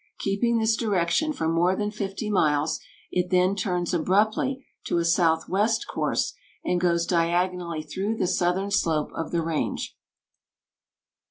Keeping this direction for more than fifty miles, it then turns abruptly to a southwest course, and goes diagonally through the southern slope of the range."